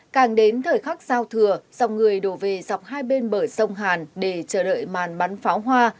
càng đến thời khắc giao thừa dòng người đổ về dọc hai bên bờ sông hàn để chờ đợi màn bắn pháo hoa